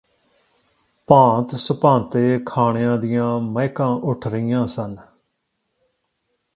ਭਾਂਤ ਸੁਭਾਂਤੇ ਖਾਣਿਆਂ ਦੀਆਂ ਮਹਿਕਾਂ ਉਠ ਰਹੀਆਂ ਸਨ